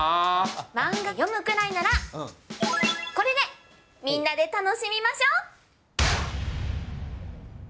漫画読むくらいなら、これでみんなで楽しみましょう。